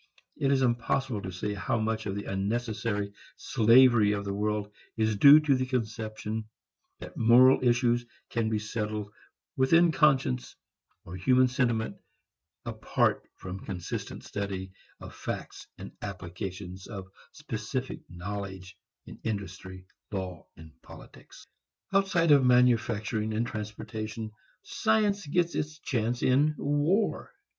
It is impossible to say how much of the unnecessary slavery of the world is due to the conception that moral issues can be settled within conscience or human sentiment apart from consistent study of facts and application of specific knowledge in industry, law and politics. Outside of manufacturing and transportation, science gets its chance in war.